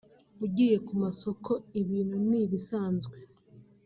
ugiye ku masoko ibintu ni ibisanzwe